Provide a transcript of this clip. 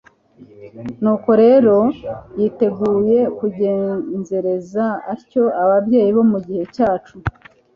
nuko rero yiteguye kugenzereza atyo ababyeyi bo mu gihe cyacu.